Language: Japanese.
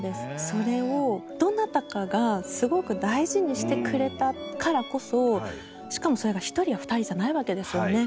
それをどなたかがすごく大事にしてくれたからこそしかもそれが１人や２人じゃないわけですよね。